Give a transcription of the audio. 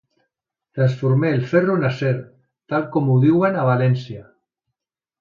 Transforme el ferro en acer, tal com ho diuen a València.